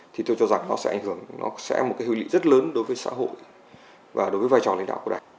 thì tôi cho rằng nó sẽ ảnh hưởng nó sẽ là một cái hư lị rất lớn đối với xã hội và đối với vai trò lãnh đạo của đảng